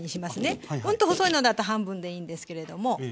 うんと細いのだと半分でいいんですけれども。